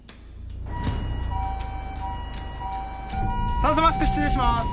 酸素マスク失礼します